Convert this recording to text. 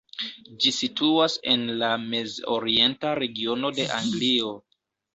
Ĝi situas en la Mez-Orienta Regiono de Anglio.